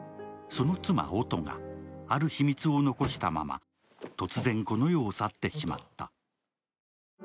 その妻、音がある秘密を残したまま突然この世を去ってしまった。